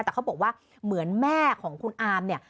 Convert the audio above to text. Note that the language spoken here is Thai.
แต่เขาบอกว่าเหมือนแม่ของคุณอามเนี่ย